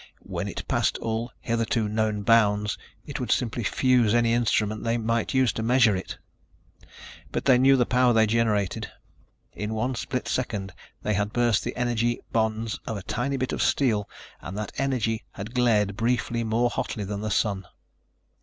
When it passed all hitherto known bonds, it would simply fuse any instrument they might use to measure it. But they knew the power they generated. In one split second they had burst the energy bonds of a tiny bit of steel and that energy had glared briefly more hotly than the Sun.